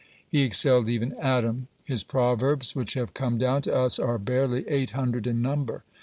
(22) He excelled even Adam. (23) His proverbs which have come down to us are barely eight hundred in number.